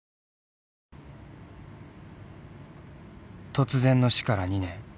突然の死から２年。